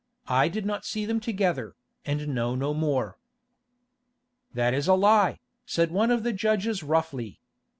I did not see them together, and know no more." "That is a lie," said one of the judges roughly.